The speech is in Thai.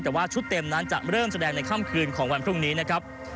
แต่ว่าชุดเต็มนั้นจะเริ่มแสดงในค่ำคืนของวันพรุ่งนี้นะครับ